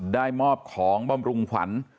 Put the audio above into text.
ได้มอบของบำรุงขวัญ